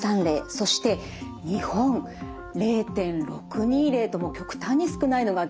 そして日本０．６２例ともう極端に少ないのが現状なんです。